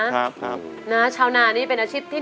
ครับครับนะชาวนานี่เป็นอาชีพที่